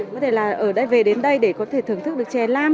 có thể là ở đây về đến đây để có thể thưởng thức được chè lam